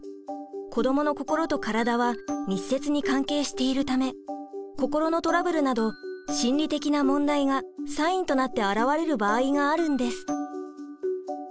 子どもの心と体は密接に関係しているため心のトラブルなど心理的な問題がサインとなって表れる場合があるんです。